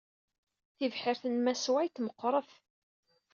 Tibḥirt n Mass White meɣɣret.